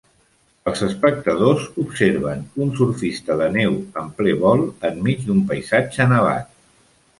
Els espectadors observen un surfista de neu en ple vol enmig d'un paisatge nevat.